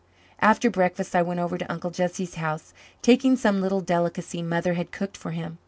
After breakfast I went over to Uncle Jesse's house, taking some little delicacy Mother had cooked for him.